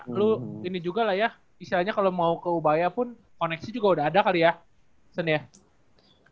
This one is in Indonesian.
ya lu ini juga lah ya misalnya kalau mau ke ubaya pun koneksi juga udah ada kali ya bisa nih ya